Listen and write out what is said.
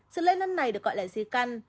sự lây năng này được gọi là di căn